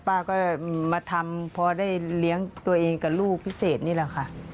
ป้าก็มาทำพอได้เลี้ยงตัวเองกับลูกพิเศษนี่แหละค่ะ